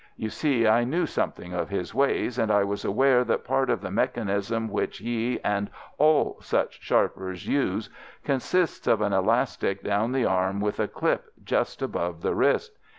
You see, I knew something of his ways, and I was aware that part of the mechanism which he and all such sharpers use consists of an elastic down the arm with a clip just above the wrist.